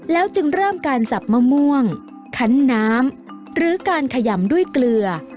จึงเริ่มการสับมะม่วงคันน้ำหรือการขยำด้วยเกลือ